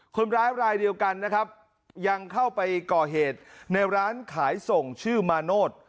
คนร้ายรายเดียวกันนะครับยังเข้าไปก่อเหตุในร้านขายส่งชื่อมาโนธ